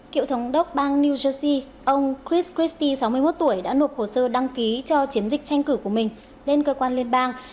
cựu thống đốc bang new jersey ông chris christi sáu mươi một tuổi đã nộp hồ sơ đăng ký cho chiến dịch tranh cử của mình lên cơ quan liên bang